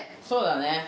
そうだね